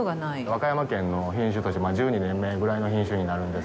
和歌山県の品種として１２年目ぐらいの品種になるんです。